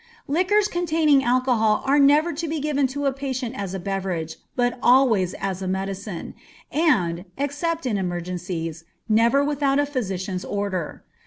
Liquors containing alcohol are never to be given to patients as a beverage, but always as a medicine, and, except in emergencies, never without a physician's order.